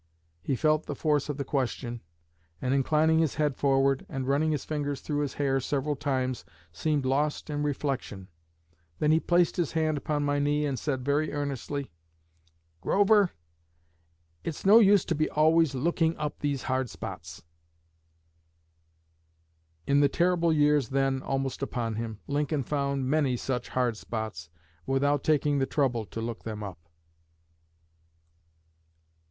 He felt the force of the question, and, inclining his head forward and running his fingers through his hair several times, seemed lost in reflection; then he placed his hand upon my knee and said, very earnestly: 'Grover, it's no use to be always looking up these hard spots!'" In the terrible years then almost upon him, Lincoln found many such "hard spots" without taking the trouble to look them up.